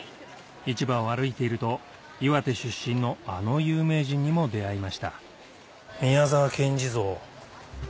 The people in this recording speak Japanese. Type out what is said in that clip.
市場を歩いていると岩手出身のあの有名人にも出会いました宮沢賢治像。